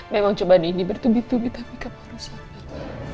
memang cobaan ini bertubi tubi tapi kamu harus sabar